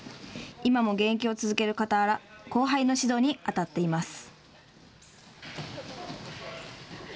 今も現役を続ける傍ら、後輩の指導に当たっています。